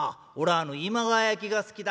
あの今川焼きが好きだ」。